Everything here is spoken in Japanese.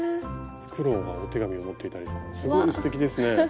フクロウがお手紙を持っていたりとかすごいすてきですね。